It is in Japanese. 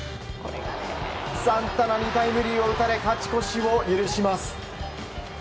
サンタナにタイムリーを打たれ勝ち越しを許します。